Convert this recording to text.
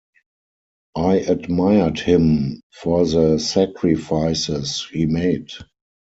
I admired him for the sacrifices he made.